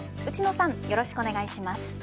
内野さんよろしくお願いします。